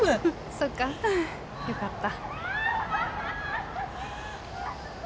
そっかよかった。